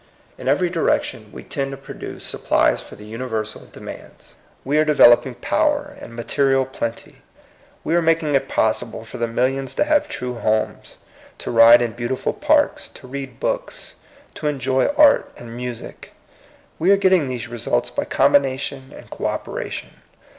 In every direction we tend to produce supplies for the universal demands. We are developing power and material plenty. We are making it possible for the millions to have true homes, to ride in beautiful parks, to read books, to enjoy art and music. We are getting these results by combination and co operation.